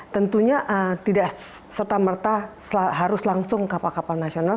tentunya tidak serta merta harus langsung kapal kapal nasional